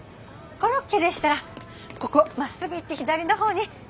コロッケでしたらここまっすぐ行って左のほうに。